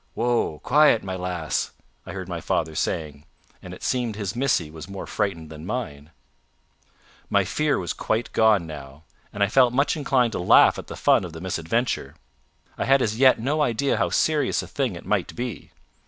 "Woa! Quiet, my lass!" I heard my father saying, and it seemed his Missy was more frightened than mine. My fear was now quite gone, and I felt much inclined to laugh at the fun of the misadventure. I had as yet no idea of how serious a thing it might be.